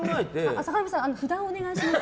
坂上さん、札をお願いします。